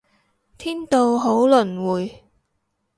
天道好輪迴